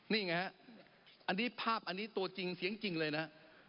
นี่ไงฮะอันนี้ภาพอันนี้ตัวจริงเสียงจริงเลยนะ